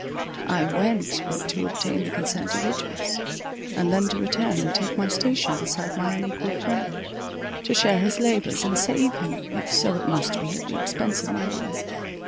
I went but to obtain the consent of Idris, and then to return and take my station beside my unequalled friend; to share his labours, and save him, if so it must be, at the expence of my life.